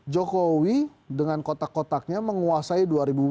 jokowi dengan kotak kotaknya menguasai dua ribu empat belas